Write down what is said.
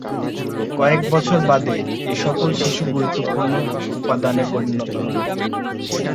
কয়েক বছর বাদে এ সকল শিশু গুরুত্বপূর্ণ উপাদানে পরিণত হবে।